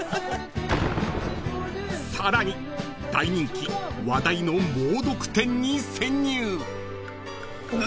［さらに大人気話題のもうどく展に潜入］